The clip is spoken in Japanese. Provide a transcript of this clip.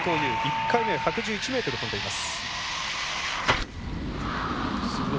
１回目は１１１ｍ飛んでいます。